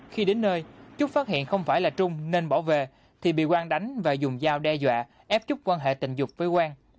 khi đến nơi trúc phát hiện không phải là trung nên bỏ về thì bị quang đánh và dùng dao đe dọa ép chúc quan hệ tình dục với quang